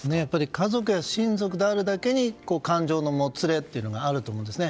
家族や親族であるだけに感情のもつれというのがあると思うんですね。